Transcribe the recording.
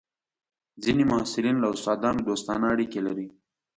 ځینې محصلین له استادانو دوستانه اړیکې لري.